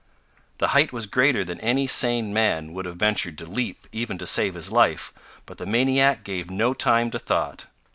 The height was greater than any sane man would have ventured to leap even to save his life; but the maniac gave no time to thought.